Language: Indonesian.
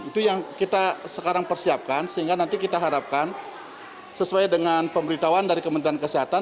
itu yang kita sekarang persiapkan sehingga nanti kita harapkan sesuai dengan pemberitahuan dari kementerian kesehatan